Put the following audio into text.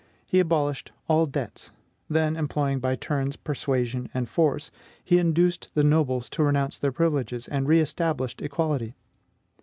He abolished all debts; then, employing by turns persuasion and force, he induced the nobles to renounce their privileges, and re established equality.